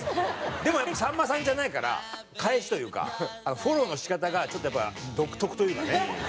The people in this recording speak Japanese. でもやっぱさんまさんじゃないから返しというかフォローの仕方がちょっと独特というかね。